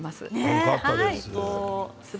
よかったです。